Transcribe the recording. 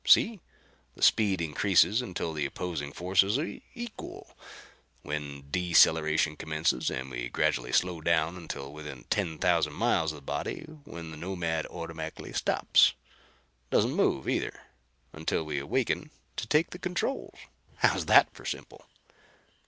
See? The speed increases until the opposing forces are equal, when deceleration commences and we gradually slow down until within ten thousand miles of the body, when the Nomad automatically stops. Doesn't move either, until we awaken to take the controls. How's that for simple?"